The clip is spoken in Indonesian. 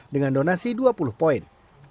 dengan donasi dua puluh poin